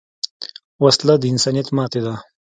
وسله د انسانیت ماتې ده